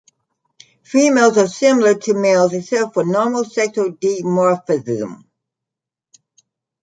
Females are similar to males except for normal sexual dimorphism.